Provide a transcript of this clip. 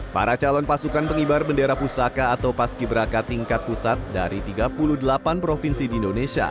para calon pasukan pengibar bendera pusaka atau paski beraka tingkat pusat dari tiga puluh delapan provinsi di indonesia